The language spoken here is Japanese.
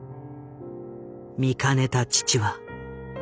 見かねた父は。